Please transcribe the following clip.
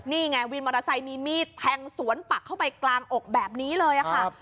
นี่ไงวินมอเตอร์ไซค์มีมีดแทงสวนปักเข้าไปกลางอกแบบนี้เลยค่ะ